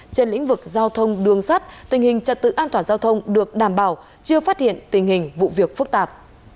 trên lĩnh vực giao thông đường sắt tình hình trật tự an toàn giao thông được đảm bảo chưa phát hiện tình hình vụ việc phức tạp